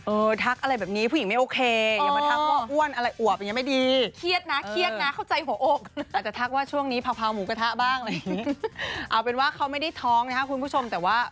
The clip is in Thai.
เออทักอะไรแบบนี้ผู้หญิงไม่โอเค